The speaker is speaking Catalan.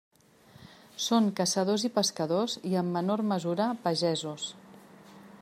Són caçadors i pescadors i en menor mesura pagesos.